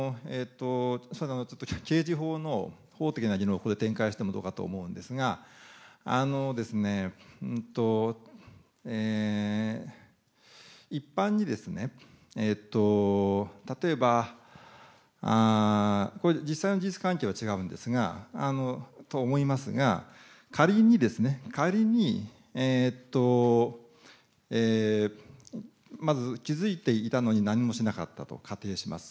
刑事法の法的な議論を展開してもどうかと思うんですが、一般にですね、例えば、実際の事実関係は違うんですが、と思いますが、仮にですね、仮にまず気付いていたのに何もしなかったと仮定します。